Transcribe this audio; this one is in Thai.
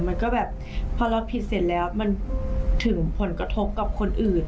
มันก็แบบพอเราผิดเสร็จแล้วมันถึงผลกระทบกับคนอื่น